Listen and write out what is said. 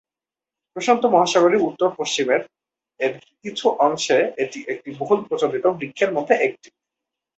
প্রশান্ত মহাসাগরীয় উত্তরপশ্চিমে এর কিছু অংশে, এটি একটি বহুল প্রচলিত বৃক্ষের মধ্যে একটি।